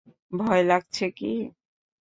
ভয় লাগছে কি?